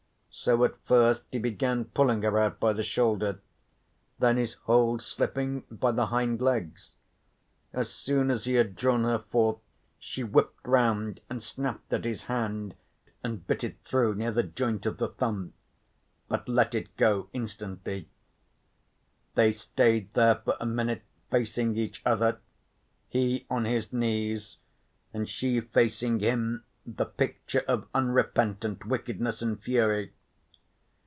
So at first he began pulling her out by the shoulder, then his hold slipping, by the hind legs. As soon as he had drawn her forth she whipped round and snapped at his hand and bit it through near the joint of the thumb, but let it go instantly. They stayed there for a minute facing each other, he on his knees and she facing him the picture of unrepentant wickedness and fury.